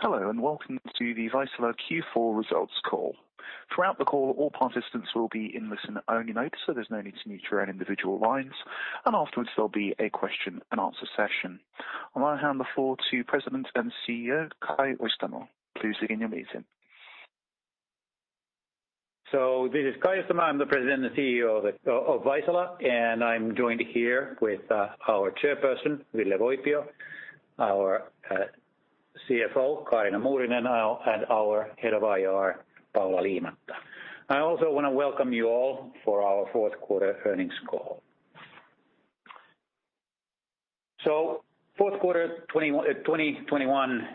Hello, and welcome to the Vaisala Q4 results call. Throughout the call, all participants will be in listen-only mode, so there's no need to mute your own individual lines. Afterwards, there'll be a question and answer session. I'll now hand the floor to President and CEO, Kai Öistämö. Please begin your meeting. This is Kai Öistämö. I'm the President and CEO of Vaisala, and I'm joined here with our Chairperson, Ville Voipio, our CFO, Kaarina Muurinen, and our Head of IR, Paula Liimatta. I also wanna welcome you all for our fourth quarter earnings call. The fourth quarter 2021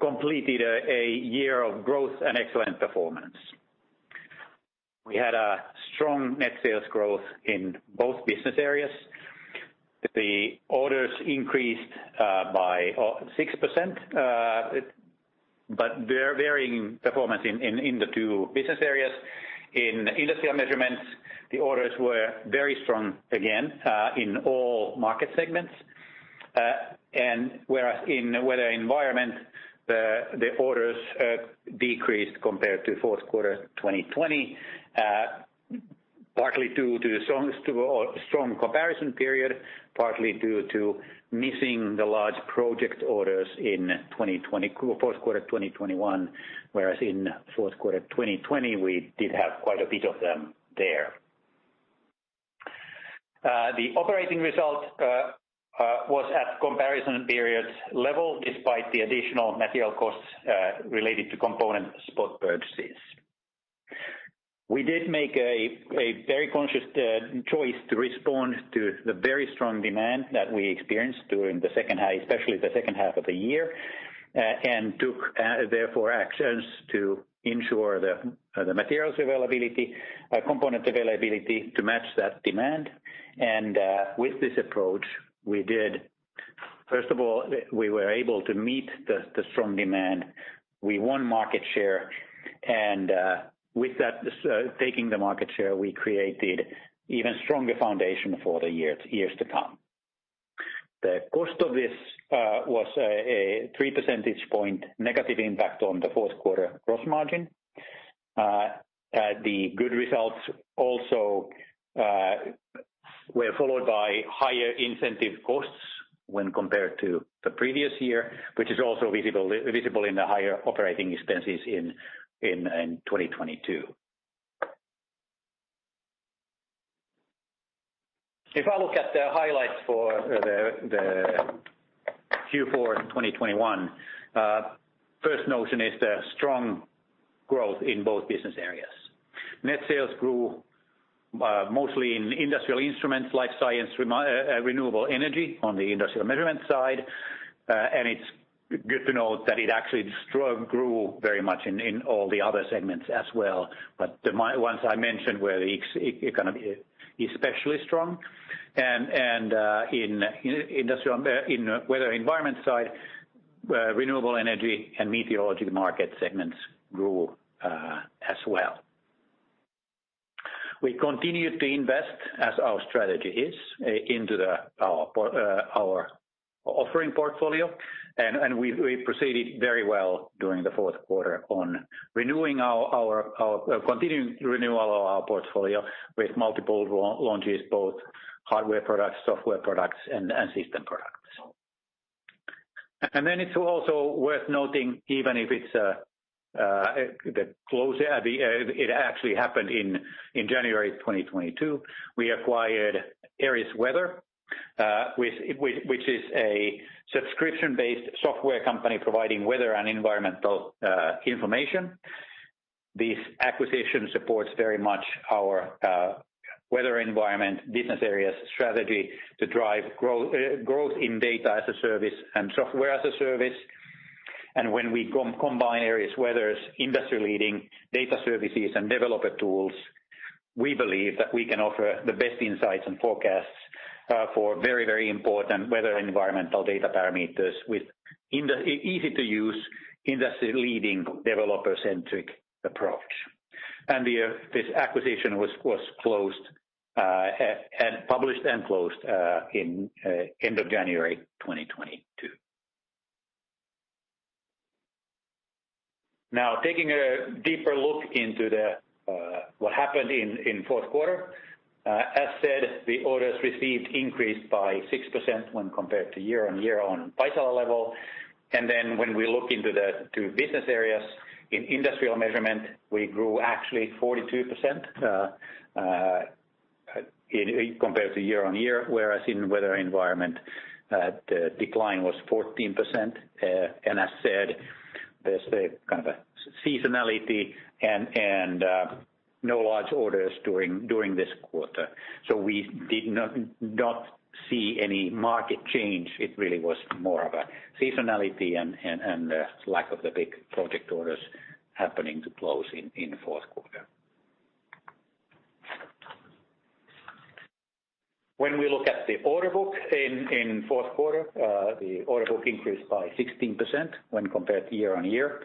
completed a year of growth and excellent performance. We had a strong net sales growth in both business areas. The orders increased by 6%, but varying performance in the two business areas. In Industrial Measurements, the orders were very strong again in all market segments. Whereas in weather environment, the orders decreased compared to fourth quarter 2020, partly due to the strong comparison period, partly due to missing the large project orders in fourth quarter 2021, whereas in fourth quarter 2020, we did have quite a bit of them there. The operating result was at comparison period level despite the additional material costs related to component spot purchases. We did make a very conscious choice to respond to the very strong demand that we experienced during the second half, especially the second half of the year, and took therefore actions to ensure the materials availability, component availability to match that demand. With this approach, we were able to meet the strong demand. We won market share, with that, taking the market share, we created even stronger foundation for the years to come. The cost of this was a three percentage point negative impact on the fourth quarter gross margin. The good results also were followed by higher incentive costs when compared to the previous year, which is also visible in the higher operating expenses in 2022. If I look at the highlights for the Q4 2021, first notion is the strong growth in both business areas. Net sales grew mostly in industrial instruments like life science, renewable energy on the Industrial Measurement side. It's good to note that it actually grew very much in all the other segments as well. The ones I mentioned were especially strong. In weather environment side, renewable energy and meteorology market segments grew as well. We continued to invest as our strategy is into our offering portfolio, and we proceeded very well during the fourth quarter on renewing our continuing renewal of our portfolio with multiple launches, both hardware products, software products, and system products. It's also worth noting, even if it's the close, it actually happened in January 2022. We acquired AerisWeather, which is a subscription-based software company providing Weather and Environmental information. This acquisition supports very much our weather environment business area's strategy to drive growth in data as a service and software as a service. When we combine AerisWeather's industry-leading data services and developer tools, we believe that we can offer the best insights and forecasts for very important weather environmental data parameters with easy to use, industry-leading, developer-centric approach. This acquisition was announced and closed in end of January 2022. Now, taking a deeper look into what happened in fourth quarter, as said, the orders received increased by 6% when compared to year-on-year on Vaisala level. When we look into the two business areas, in Industrial Measurements, we grew actually 42% when compared to year-on-year, whereas in Weather and Environment, the decline was 14%. As said, there's a kind of a seasonality and no large orders during this quarter. We did not see any market change. It really was more of a seasonality and lack of the big project orders happening to close in fourth quarter. When we look at the order book in fourth quarter, the order book increased by 16% when compared to year-on-year.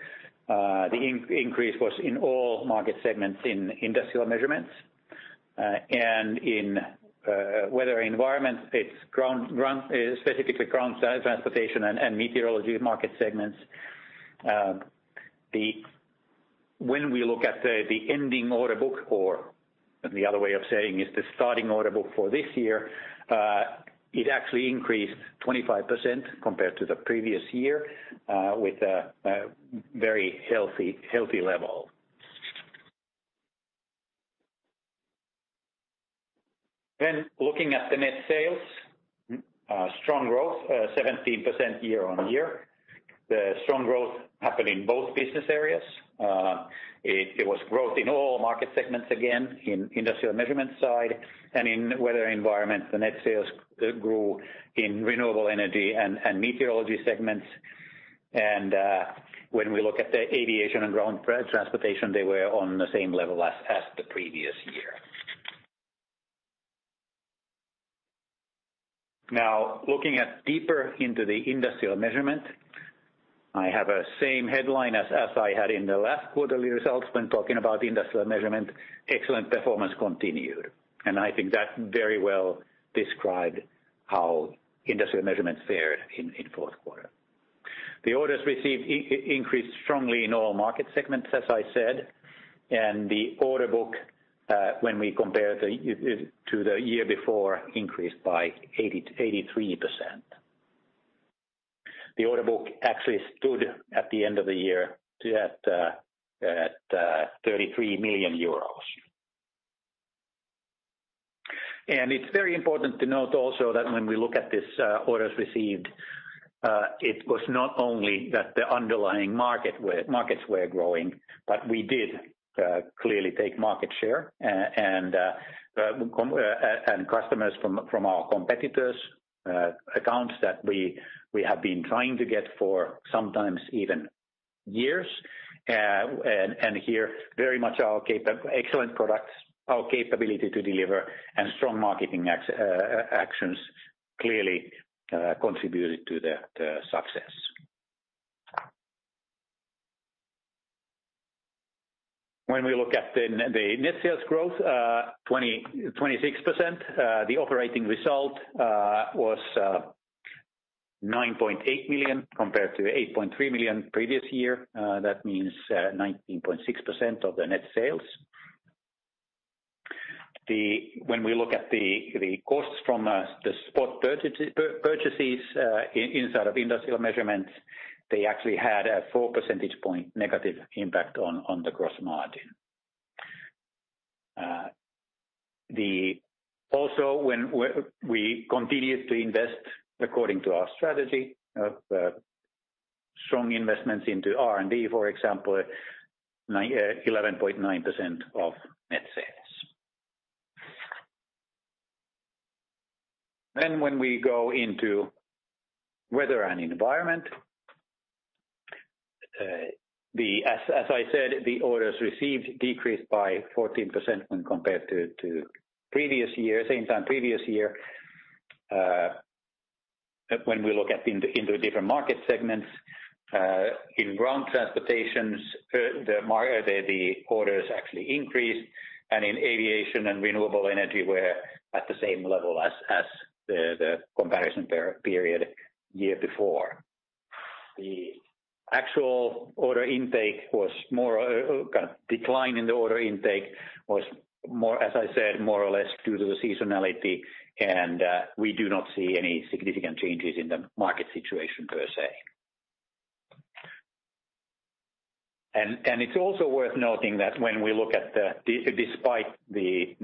The increase was in all market segments in Industrial Measurements. In Weather and Environment, in ground transportation and meteorology market segments. When we look at the ending order book, or the other way of saying is the starting order book for this year, it actually increased 25% compared to the previous year, with a very healthy level. Looking at the net sales, strong growth, 17% year-on-year. The strong growth happened in both business areas. It was growth in all market segments, again, in Industrial Measurements side. In Weather and Environment, the net sales grew in renewable energy and meteorology segments. When we look at the aviation and ground transportation, they were on the same level as the previous year. Now, looking deeper into the Industrial Measurements, I have the same headline as I had in the last quarterly results when talking about Industrial Measurements, excellent performance continued. I think that very well described how Industrial Measurements fared in fourth quarter. The orders received increased strongly in all market segments, as I said. The order book, when we compare to the year before, increased by 83%. The order book actually stood at the end of the year at EUR 33 million. It's very important to note also that when we look at this, orders received, it was not only that the underlying markets were growing, but we did clearly take market share, and customers from our competitors' accounts that we have been trying to get for sometimes even years. Here very much our excellent products, our capability to deliver and strong marketing actions clearly contributed to the success. When we look at the net sales growth, 26%, the operating result was 9.8 million compared to 8.3 million previous year. That means 19.6% of the net sales. When we look at the costs from the spot purchases inside of Industrial Measurements, they actually had a 4 percentage point negative impact on the gross margin. Also, we continued to invest according to our strategy of strong investments into R&D, for example, 11.9% of net sales. When we go into Weather and Environment, as I said, the orders received decreased by 14% when compared to same time previous year. When we look into different market segments, in ground transportation, the orders actually increased, and in aviation and renewable energy were at the same level as the comparison period year before. The decline in the order intake was more, as I said, more or less due to the seasonality, and we do not see any significant changes in the market situation, per se. It's also worth noting that when we look at the—despite the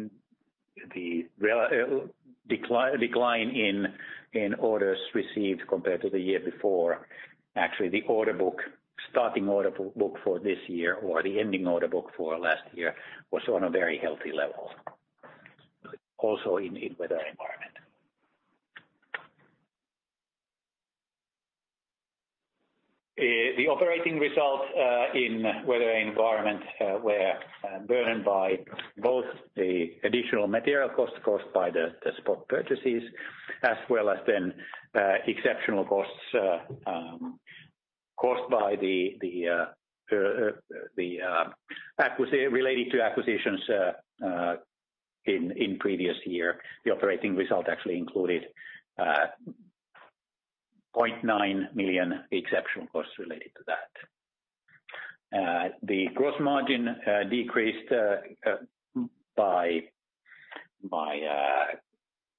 decline in orders received compared to the year before, actually the order book, starting order book for this year or the ending order book for last year was on a very healthy level, also in Weather and Environment. The operating results in Weather and Environment were burdened by both the additional material costs caused by the spot purchases as well as exceptional costs caused by the related to acquisitions in previous year. The operating result actually included 0.9 million exceptional costs related to that. The gross margin decreased by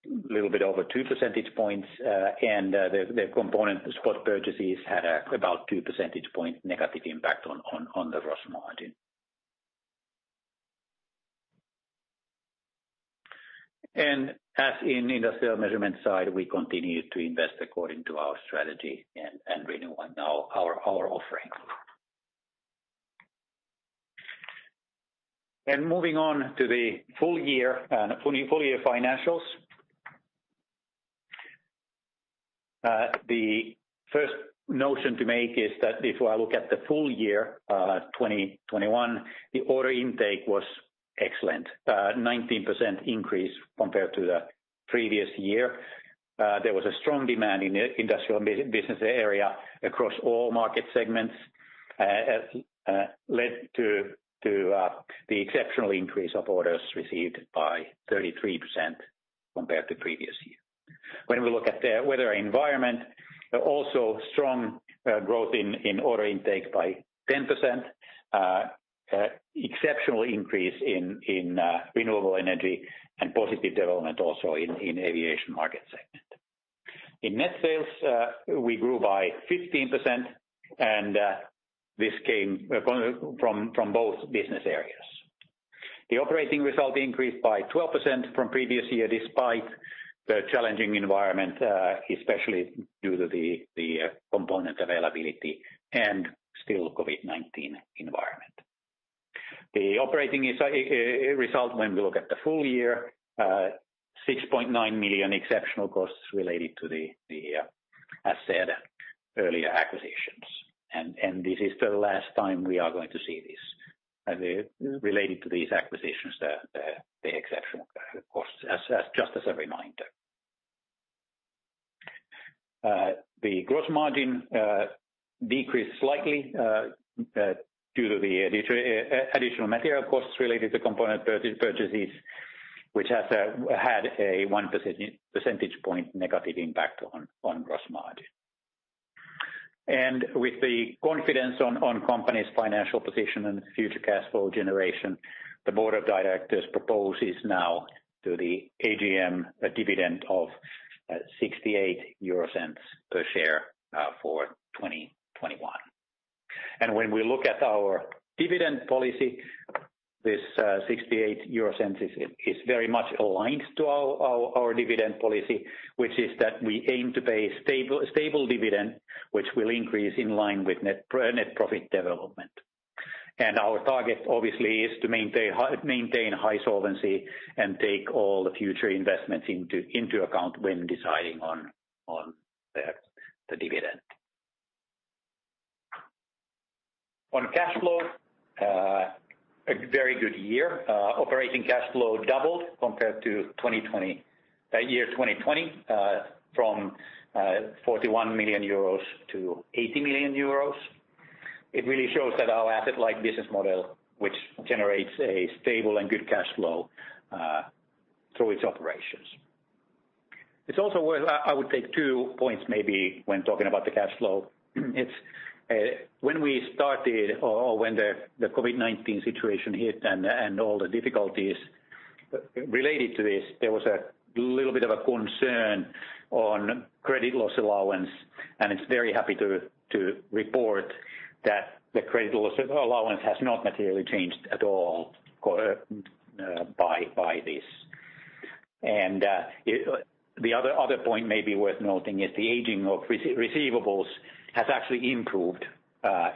a little bit over 2 percentage points. The component spot purchases had about 2 percentage point negative impact on the gross margin. On the Industrial Measurements side, we continued to invest according to our strategy and renew our offerings. Moving on to the full year financials. The first notion to make is that if I look at the full year 2021, the order intake was excellent, 19% increase compared to the previous year. There was a strong demand in the Industrial Measurements business area across all market segments. This has led to the exceptional increase of orders received by 33% compared to previous year. When we look at the Weather and Environment, also strong growth in order intake by 10%. Exceptional increase in renewable energy and positive development also in aviation market segment. In net sales, we grew by 15%, and this came from both business areas. The operating result increased by 12% from previous year, despite the challenging environment, especially due to the component availability and still COVID-19 environment. The operating result when we look at the full year, 6.9 million exceptional costs related to the, as said earlier, acquisitions. This is the last time we are going to see this. They're related to these acquisitions, the exceptional costs, just as a reminder. The gross margin decreased slightly due to the additional material costs related to component purchases, which has had a 1 percentage point negative impact on gross margin. With the confidence on company's financial position and future cash flow generation, the board of directors proposes now to the AGM a dividend of 0.68 per share for 2021. When we look at our dividend policy, this 0.68 euro is very much aligned to our dividend policy, which is that we aim to pay stable dividend, which will increase in line with net profit development. Our target obviously is to maintain high solvency and take all the future investments into account when deciding on the dividend. On cash flow, a very good year. Operating cash flow doubled compared to 2020 from 41 million-80 million euros. It really shows that our asset-light business model, which generates a stable and good cash flow through its operations. I would take two points maybe when talking about the cash flow. It's when we started or when the COVID-19 situation hit and all the difficulties related to this, there was a little bit of a concern on credit loss allowance, and it's very happy to report that the credit loss allowance has not materially changed at all by this. The other point may be worth noting is the aging of receivables has actually improved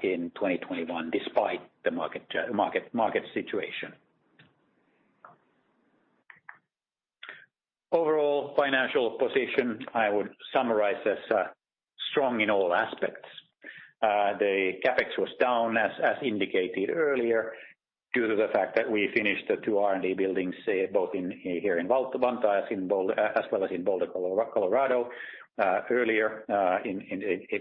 in 2021 despite the market situation. Overall financial position, I would summarize as strong in all aspects. The CapEx was down, as indicated earlier, due to the fact that we finished the two R&D buildings both here in Vantaa and in Boulder, Colorado, earlier at the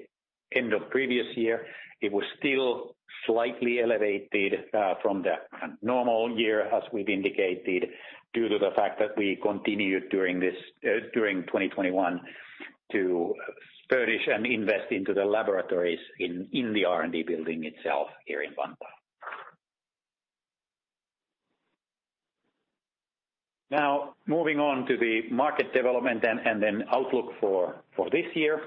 end of the previous year. It was still slightly elevated from the normal year as we've indicated due to the fact that we continued during 2021 to furnish and invest into the laboratories in the R&D building itself here in Vantaa. Now, moving on to the market development and then outlook for this year.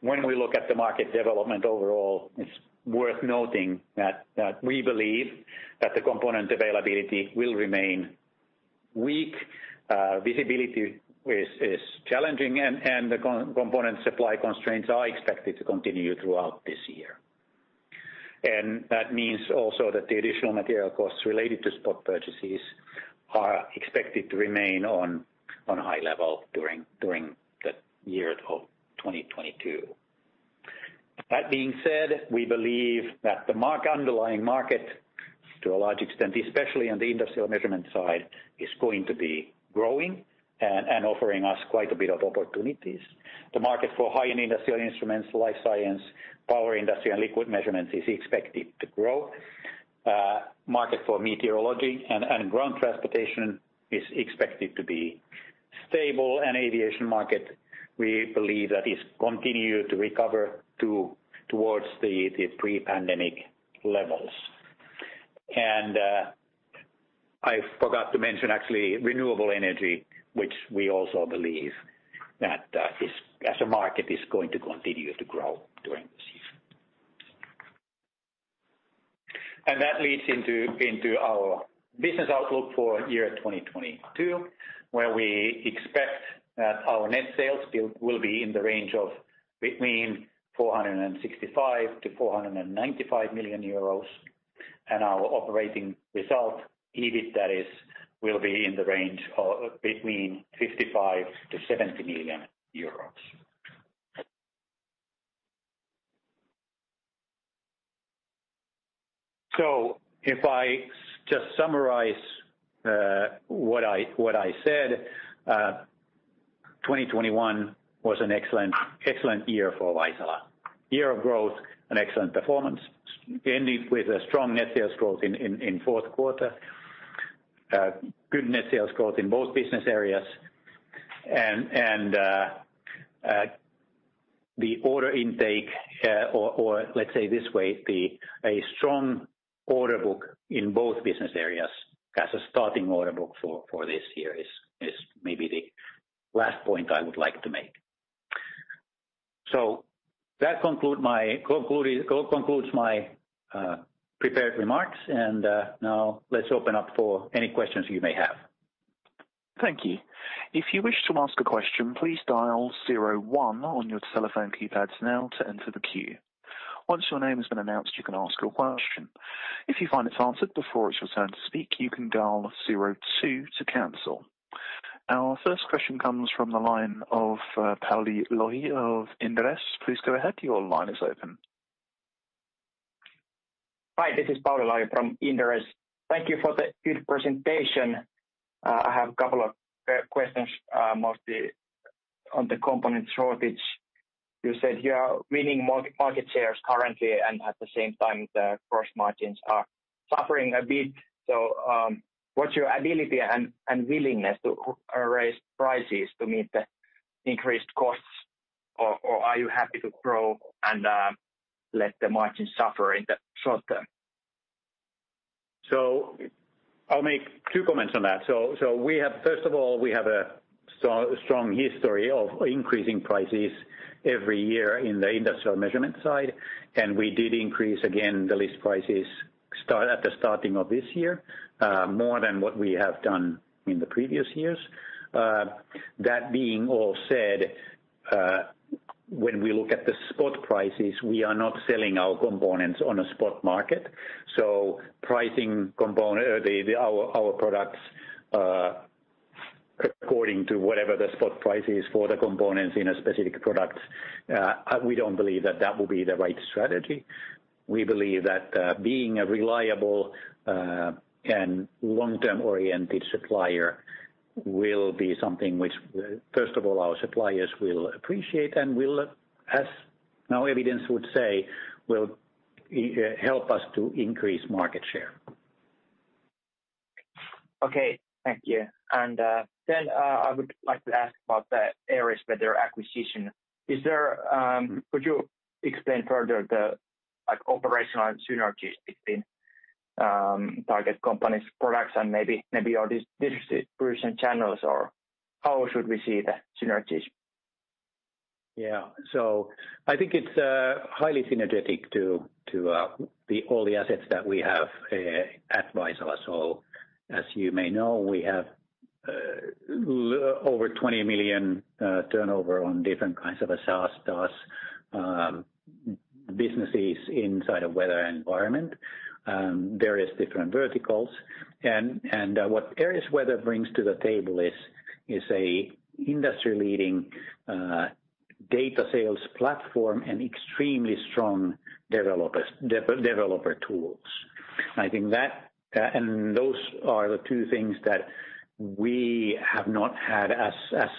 When we look at the market development overall, it's worth noting that we believe that the component availability will remain weak. Visibility is challenging and the component supply constraints are expected to continue throughout this year. That means also that the additional material costs related to stock purchases are expected to remain on high level during the year of 2022. That being said, we believe that the underlying market, to a large extent, especially on the Industrial Measurement side, is going to be growing and offering us quite a bit of opportunities. The market for high-end industrial instruments, life science, power industry, and liquid measurements is expected to grow. Market for meteorology and ground transportation is expected to be stable. Aviation market, we believe that is continued to recover towards the pre-pandemic levels. I forgot to mention actually renewable energy, which we also believe that as a market is going to continue to grow during this year. That leads into our business outlook for year 2022, where we expect that our net sales will be in the range of between 465 million-495 million euros. Our operating result, EBIT that is, will be in the range of between 55 million-70 million euros. If I just summarize what I said, 2021 was an excellent year for Vaisala, a year of growth and excellent performance ending with a strong net sales growth in fourth quarter. Good net sales growth in both business areas and the order intake, or let's say this way, a strong order book in both business areas as a starting order book for this year is maybe the last point I would like to make. So that concludes my prepared remarks. Now let's open up for any questions you may have. Thank you. If you wish to ask a question, please dial zero one on your telephone keypads now to enter the queue. Once your name has been announced, you can ask your question. If you find it's answered before it's your turn to speak, you can dial zero two to cancel. Our first question comes from the line of, Pauli Lohi of Inderes. Please go ahead. Your line is open. Hi, this is Pauli Lohi from Inderes. Thank you for the good presentation. I have a couple of questions, mostly on the components shortage. You said you are winning market shares currently, and at the same time, the gross margins are suffering a bit. What's your ability and willingness to raise prices to meet the increased costs or are you happy to grow and let the margins suffer in the short term? I'll make two comments on that. First of all, we have a strong history of increasing prices every year in the Industrial Measurement side. We did increase again the list prices at the start of this year, more than what we have done in the previous years. That being said, when we look at the spot prices, we are not selling our components on a spot market. Pricing our products according to whatever the spot price is for the components in a specific product, we don't believe that will be the right strategy. We believe that being a reliable and long-term oriented supplier will be something which, first of all, our suppliers will appreciate and will, as new evidence would say, help us to increase market share. Okay. Thank you. I would like to ask about the AerisWeather acquisition. Would you explain further the, like, operational synergies between target company's products and maybe your distribution channels, or how should we see the synergies? I think it's highly synergetic to all the assets that we have at Vaisala. As you may know, we have over 20 million turnover on different kinds of SaaS, PaaS, businesses inside of Weather and Environment, various different verticals. What AerisWeather brings to the table is an industry-leading data sales platform and extremely strong developer tools. I think that and those are the two things that we have not had as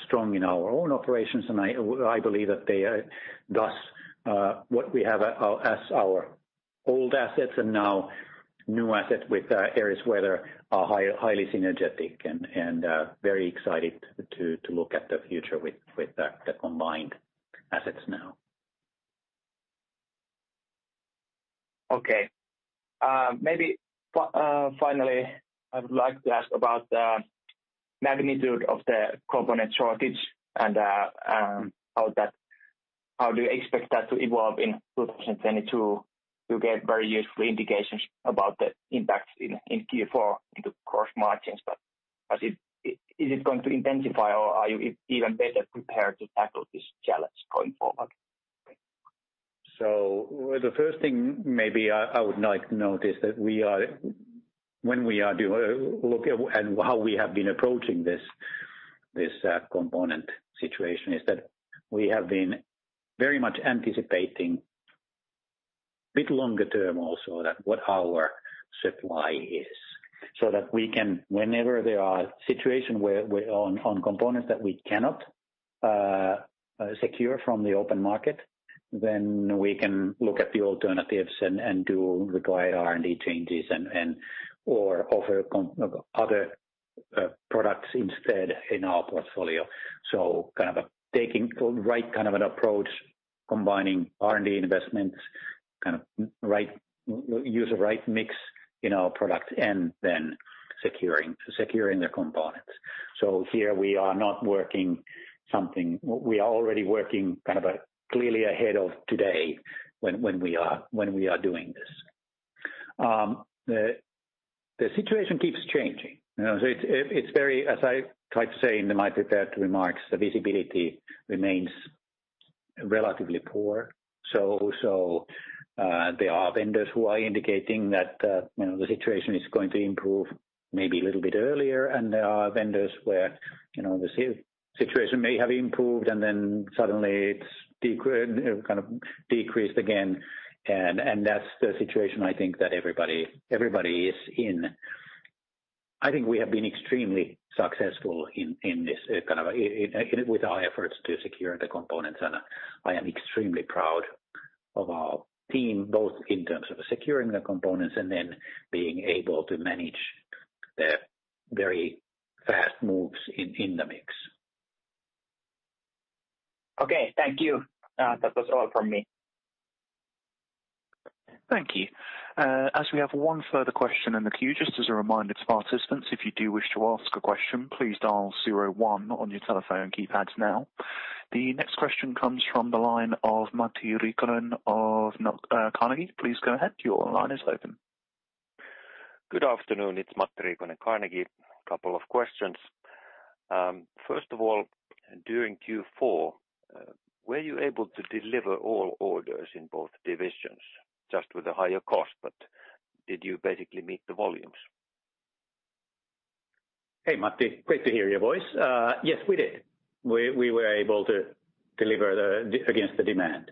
strong in our own operations. I believe that they are thus what we have as our old assets and now new assets with AerisWeather are highly synergetic and very excited to look at the future with the combined assets now. Okay. Maybe finally, I would like to ask about the magnitude of the component shortage and how do you expect that to evolve in 2022? You get very useful indications about the impact in Q4 into gross margins. Is it going to intensify or are you even better prepared to tackle this challenge going forward? The first thing maybe I would like to note is that when we look at how we have been approaching this component situation, we have been very much anticipating a bit longer term also what our supply is so that we can, whenever there are situation where on components that we cannot secure from the open market, then we can look at the alternatives and do required R&D changes and or offer other products instead in our portfolio. Kind of taking the right kind of an approach, combining R&D investments, kind of use the right mix in our product and then securing the components. Here we are already working kind of clearly ahead of today when we are doing this. The situation keeps changing. You know, it's very, as I tried to say in my prepared remarks, the visibility remains relatively poor. There are vendors who are indicating that, you know, the situation is going to improve maybe a little bit earlier. There are vendors where, you know, the situation may have improved and then suddenly it's kind of decreased again. That's the situation I think that everybody is in. I think we have been extremely successful in this kind of with our efforts to secure the components. I am extremely proud of our team, both in terms of securing the components and then being able to manage the very fast moves in the mix. Okay, thank you. That was all from me. Thank you. As we have one further question in the queue, just as a reminder to participants, if you do wish to ask a question, please dial zero one on your telephone keypads now. The next question comes from the line of Matti Riikonen of Carnegie. Please go ahead. Your line is open. Good afternoon. It's Matti Riikonen, Carnegie. A couple of questions. First of all, during Q4, were you able to deliver all orders in both divisions just with a higher cost, but did you basically meet the volumes? Hey, Matti, great to hear your voice. Yes, we did. We were able to deliver against the demand.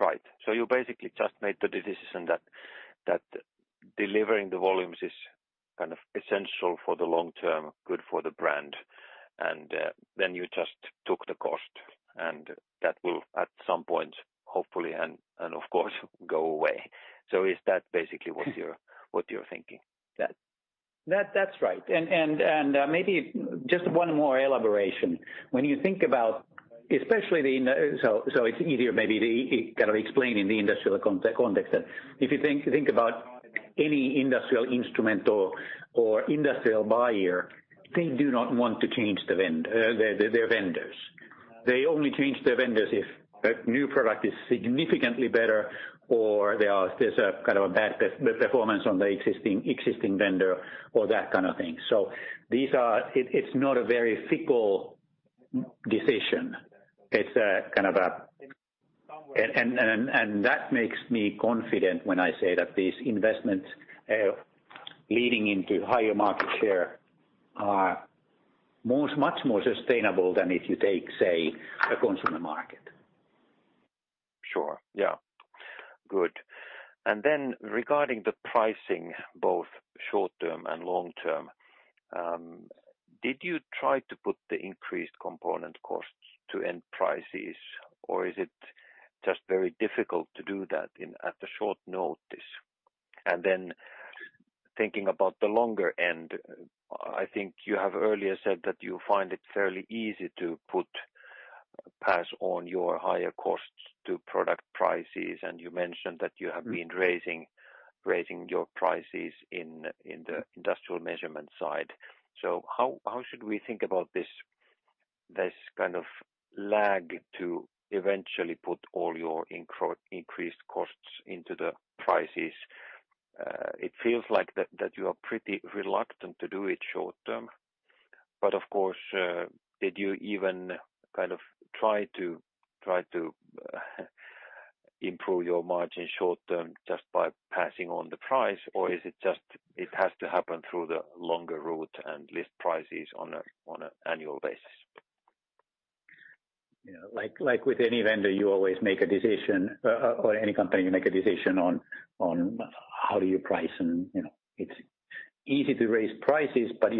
Right. You basically just made the decision that delivering the volumes is kind of essential for the long-term good for the brand, and then you just took the cost. That will, at some point, hopefully, and of course, go away. Is that basically what you're thinking? That's right. Maybe just one more elaboration. It's easier maybe to kind of explain in the industrial context that if you think about any industrial instrument or industrial buyer, they do not want to change their vendors. They only change their vendors if a new product is significantly better or there's a kind of a bad performance on the existing vendor or that kind of thing. It's not a very fickle decision. It's a kind of a decision that makes me confident when I say that these investments leading into higher market share are much more sustainable than if you take, say, a consumer market. Sure. Yeah. Good. Regarding the pricing, both short-term and long-term, did you try to put the increased component costs to end prices, or is it just very difficult to do that at a short notice? Thinking about the longer end, I think you have earlier said that you find it fairly easy to pass on your higher costs to product prices, and you mentioned that you have been raising your prices in the Industrial Measurement side. How should we think about this kind of lag to eventually put all your increased costs into the prices? It feels like that you are pretty reluctant to do it short-term, but of course, did you even kind of try to improve your margin short-term just by passing on the price, or is it just it has to happen through the longer route and list prices on an annual basis? Yeah. Like with any vendor, you always make a decision, or any company, you make a decision on how do you price and, you know. It's easy to raise prices, but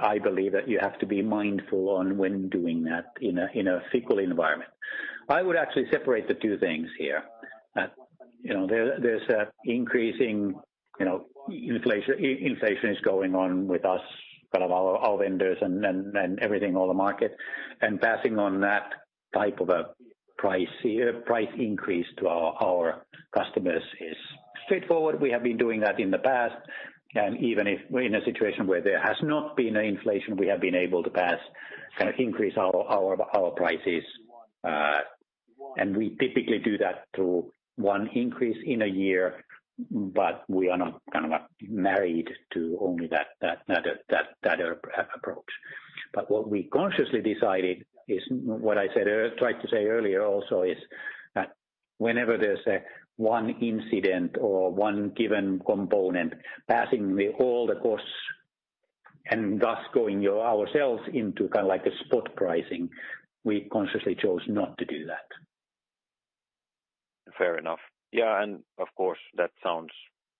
I believe that you have to be mindful on when doing that in a fickle environment. I would actually separate the two things here. You know, there's an increasing inflation going on with us, kind of our vendors and everything, all the market. Passing on that type of a price increase to our customers is straightforward. We have been doing that in the past. Even if we're in a situation where there has not been an inflation, we have been able to pass kind of increase our prices. We typically do that through one increase in a year, but we are not kind of married to only that approach. What we consciously decided is, what I tried to say earlier also is that whenever there's one incident or one given component passing all the costs and thus going ourselves into kind of like a spot pricing, we consciously chose not to do that. Fair enough. Yeah. Of course, that sounds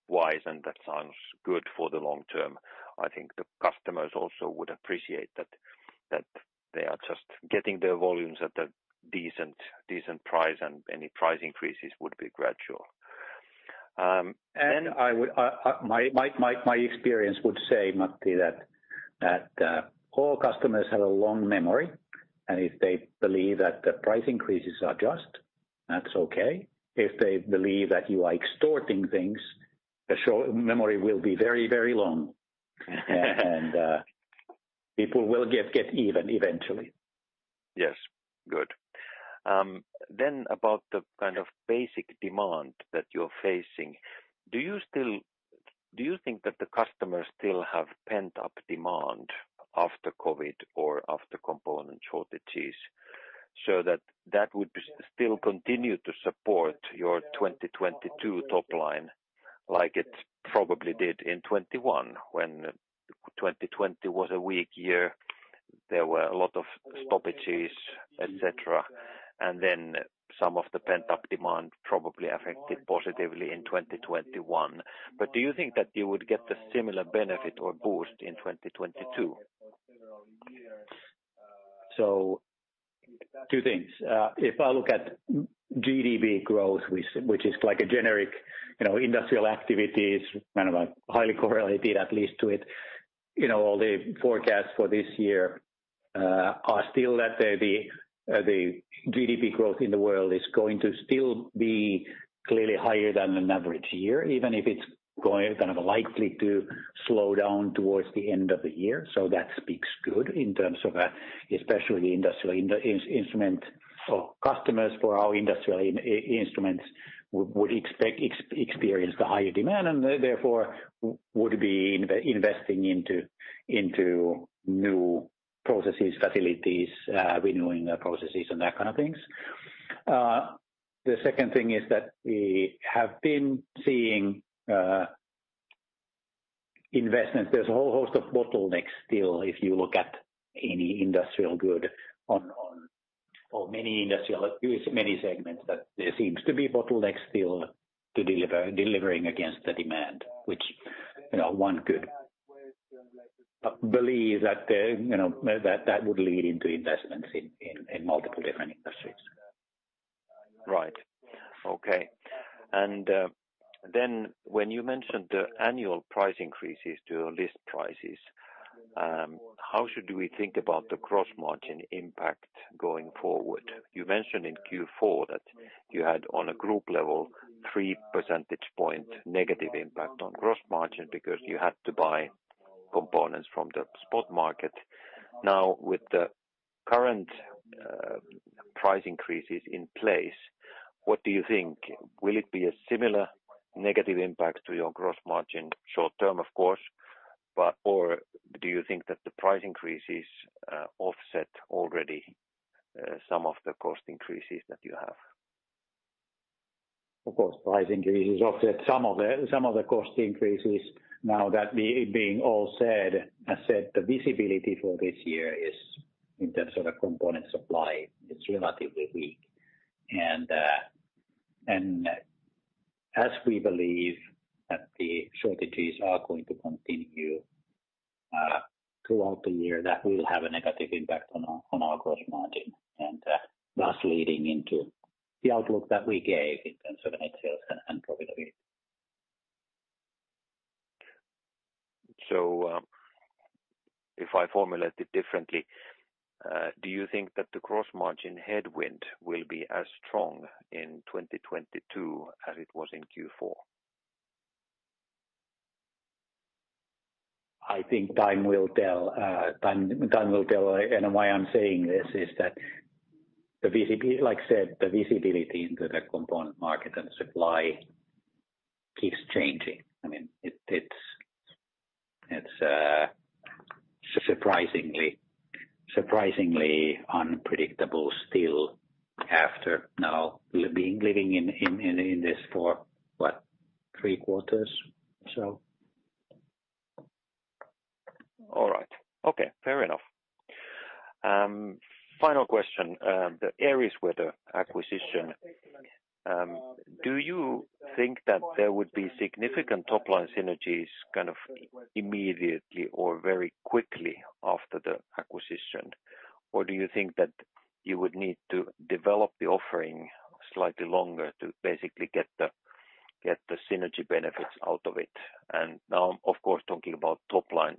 wise and that sounds good for the long term. I think the customers also would appreciate that they are just getting their volumes at a decent price, and any price increases would be gradual. My experience would say, Matti, that all customers have a long memory. If they believe that the price increases are just, that's okay. If they believe that you are extorting things, the short memory will be very, very long. People will get even eventually. Yes. Good. About the kind of basic demand that you're facing, do you think that the customers still have pent-up demand after COVID or after component shortages? That would still continue to support your 2022 top line like it probably did in 2021 when 2020 was a weak year, there were a lot of stoppages, et cetera, and then some of the pent-up demand probably affected positively in 2021. Do you think that you would get the similar benefit or boost in 2022? Two things. If I look at GDP growth, which is like a generic, you know, industrial activities, kind of a highly correlated at least to it. You know, the forecasts for this year are still that the GDP growth in the world is going to still be clearly higher than an average year, even if it's going kind of likely to slow down towards the end of the year. That speaks good in terms of especially industrial instruments or customers for our industrial instruments would expect experience the higher demand and therefore would be investing into new processes, facilities, renewing processes and that kind of things. The second thing is that we have been seeing investments. There's a whole host of bottlenecks still, if you look at any industrial good or many industrial segments, but there seems to be bottlenecks still delivering against the demand, which, you know, one could believe that, you know, that would lead into investments in multiple different industries. Right. Okay. When you mentioned the annual price increases to list prices, how should we think about the gross margin impact going forward? You mentioned in Q4 that you had, on a group level, three percentage points negative impact on gross margin because you had to buy components from the spot market. Now, with the current price increases in place, what do you think? Will it be a similar negative impact to your gross margin short term, of course, but or do you think that the price increases offset already some of the cost increases that you have? Of course, price increases offset some of the cost increases. Now that being all said, I said the visibility for this year is in terms of the component supply, it's relatively weak. As we believe that the shortages are going to continue throughout the year, that will have a negative impact on our gross margin, and thus leading into the outlook that we gave in terms of the net sales and profitability. If I formulate it differently, do you think that the gross margin headwind will be as strong in 2022 as it was in Q4? I think time will tell. Time will tell. Why I'm saying this is that like I said, the visibility into the component market and supply keeps changing. I mean, it's surprisingly unpredictable still after now living in this for, what, three quarters. So. All right. Okay. Fair enough. Final question. The areas where the acquisition, do you think that there would be significant top line synergies kind of immediately or very quickly after the acquisition? Or do you think that you would need to develop the offering slightly longer to basically get the synergy benefits out of it? Now I'm of course talking about top line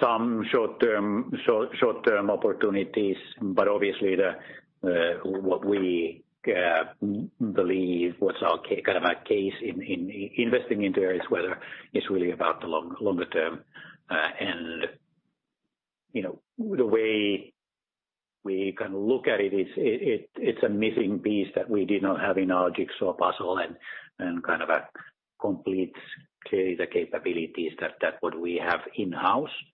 synergies mainly. Yeah. So there are some short-term opportunities, but obviously what we believe is our case in investing into areas whether it's really about the longer term. You know, the way we can look at it is it's a missing piece that we did not have in our jigsaw puzzle and kind of a complement, clearly, to the capabilities that what we have in-house. You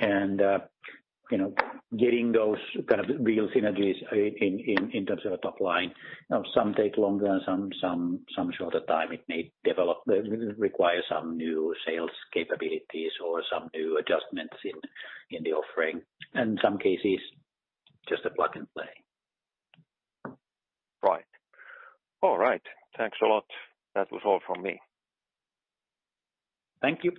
know, getting those kind of real synergies in terms of the top line, some take longer, some shorter time. It may require some new sales capabilities or some new adjustments in the offering, and some cases, just a plug and play. Right. All right. Thanks a lot. That was all from me. Thank you.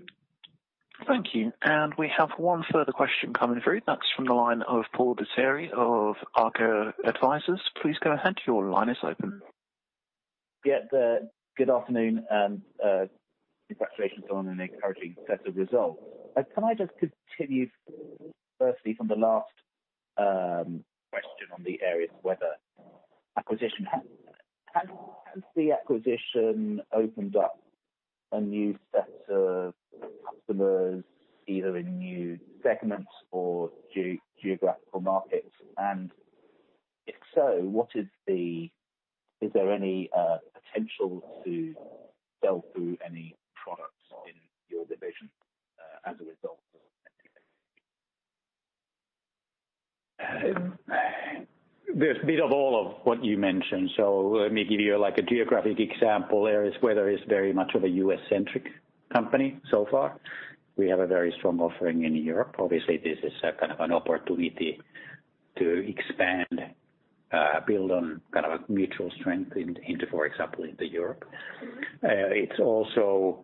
Thank you. We have one further question coming through. That's from the line of Paul Deseri of Arca Advisors. Please go ahead. Your line is open. Yeah. Good afternoon. Congratulations on an encouraging set of results. Can I just continue firstly from the last question on the AerisWeather acquisition. Has the acquisition opened up a new set of customers, either in new segments or geographical markets? Is there any potential to sell through any products in your division as a result of anything? There's a bit of all of what you mentioned. Let me give you, like, a geographic example. AerisWeather is very much of a US-centric company so far. We have a very strong offering in Europe. Obviously, this is kind of an opportunity to expand, build on kind of a mutual strength in, into, for example, into Europe. It's also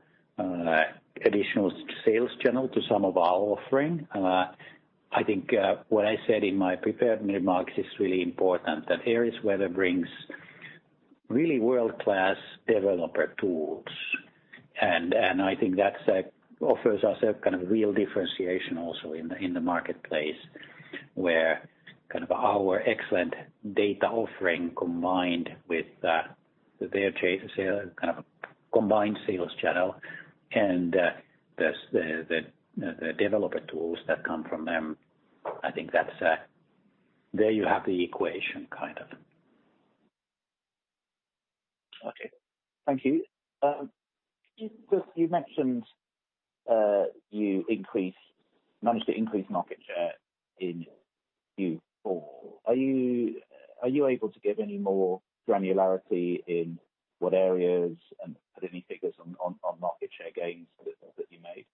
additional sales channel to some of our offering. I think what I said in my prepared remarks is really important, that AerisWeather brings really world-class developer tools. And I think that's offers us a kind of real differentiation also in the marketplace, where kind of our excellent data offering combined with their kind of a combined sales channel and the developer tools that come from them. I think that's... There you have the equation kind of. Okay. Thank you. Just you mentioned you managed to increase market share in Q4. Are you able to give any more granularity in what areas and put any figures on market share gains that you made?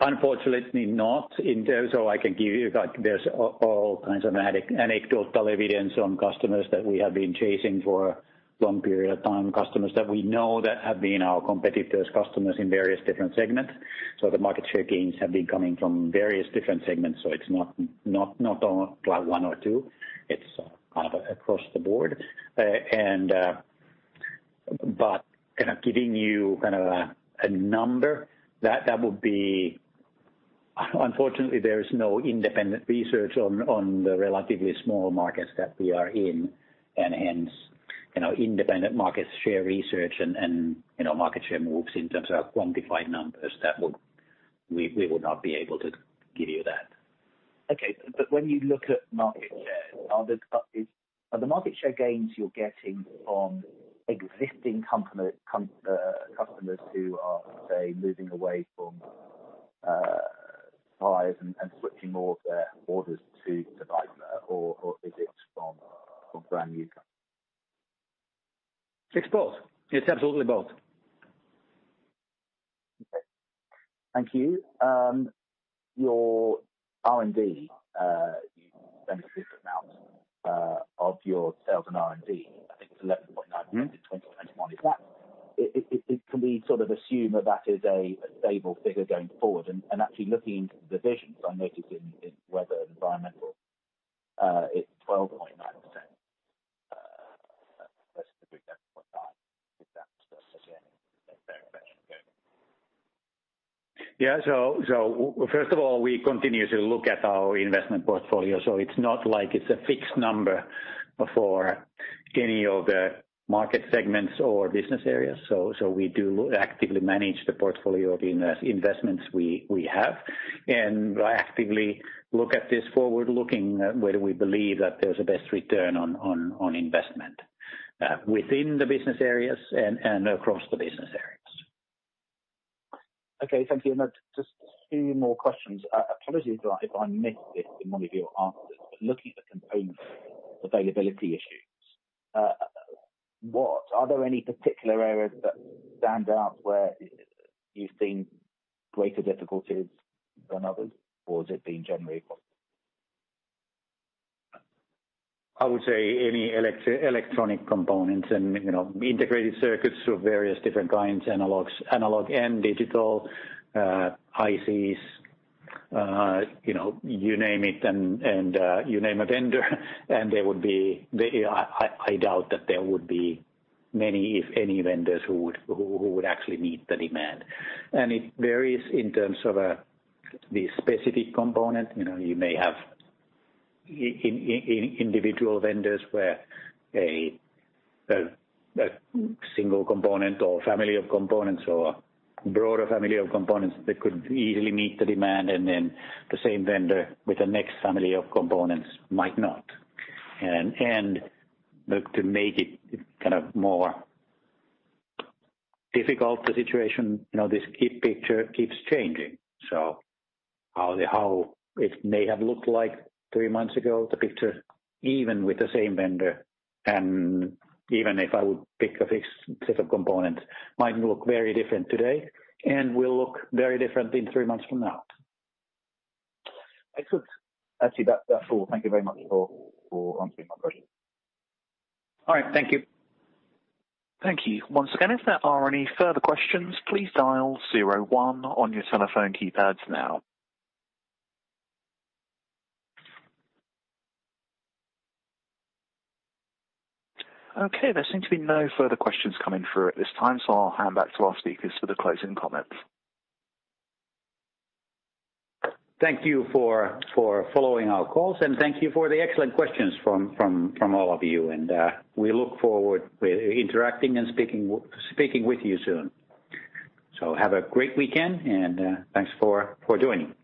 Unfortunately not in terms of I can give you, like, there's all kinds of anecdotal evidence on customers that we have been chasing for a long period of time, customers that we know that have been our competitors' customers in various different segments. The market share gains have been coming from various different segments. It's not on like one or two. It's kind of across the board. But kind of giving you kind of a number that would be, unfortunately, there is no independent research on the relatively small markets that we are in, and hence, you know, independent market share research and you know, market share moves in terms of quantified numbers that we would not be able to give you that. Okay. When you look at market share, are the market share gains you're getting from existing customers who are, say, moving away from suppliers and switching more of their orders to Vaisala or is it from brand new customers? It's both. It's absolutely both. Okay. Thank you. Your R&D, you spent a significant amount of your sales on R&D. I think it's 11.9%. Mm-hmm. In 2021. Can we sort of assume that that is a stable figure going forward? Actually looking into the divisions, I noticed in Weather and Environment, it's 12.9%. Versus the group's 13.9%. Does that suggest anything in that direction going forward? Yeah. First of all, we continue to look at our investment portfolio. It's not like it's a fixed number for any of the market segments or business areas. We do actively manage the portfolio of investments we have. I actively look at this forward-looking whether we believe that there's a best return on investment within the business areas and across the business areas. Okay, thank you. Just two more questions. Apologies if I missed this in one of your answers, but looking at the component availability issues, are there any particular areas that stand out where you've seen greater difficulties than others, or is it been generally across? I would say any electronic components and, you know, integrated circuits of various different kinds, analog and digital, ICs, you know, you name it and you name a vendor and I doubt that there would be many, if any vendors who would actually meet the demand. It varies in terms of the specific component. You know, you may have individual vendors where a single component or family of components or broader family of components that could easily meet the demand, and then the same vendor with the next family of components might not. Look, to make it kind of more difficult, the situation, you know, this picture keeps changing. How it may have looked like three months ago, the picture, even with the same vendor, and even if I would pick a fixed set of components, might look very different today and will look very different in three months from now. Excellent. Actually, that's all. Thank you very much for answering my questions. All right. Thank you. Thank you. Once again, if there are any further questions, please dial zero one on your telephone keypads now. Okay, there seem to be no further questions coming through at this time, so I'll hand back to our speakers for the closing comments. Thank you for following our calls, and thank you for the excellent questions from all of you. We look forward with interacting and speaking with you soon. Have a great weekend and thanks for joining.